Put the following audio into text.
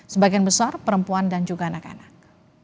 sebagian besar perempuan dan juga anak anak